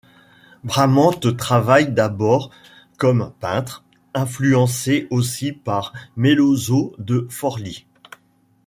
Bramante travaille d'abord comme peintre, influencé aussi par Melozzo de Forlì.